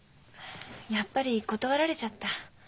やっぱり断られちゃった。